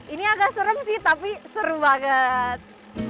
ini agak serem sih tapi seru banget